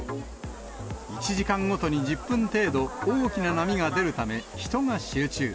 １時間ごとに１０分程度、大きな波が出るため、人が集中。